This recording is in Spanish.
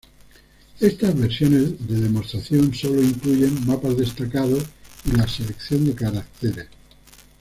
Estas versiones de demostración sólo incluyen mapas destacados y la selección de caracteres.